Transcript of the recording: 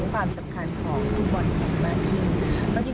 ความสำคัญของฟุตบอลหญิงมากขึ้น